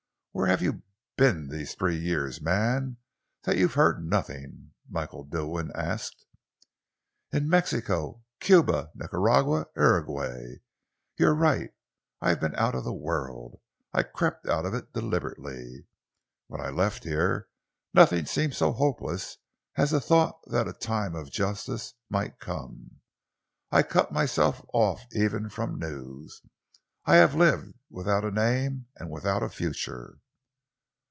"Where have you been to these three years, man, that you've heard nothing?" Michael Dilwyn asked. "In Mexico, Cuba, Nicaragua, Uraguay. You're right. I've been out of the world. I crept out of it deliberately. When I left here, nothing seemed so hopeless as the thought that a time of justice might come. I cut myself off even from news. I have lived without a name and without a future."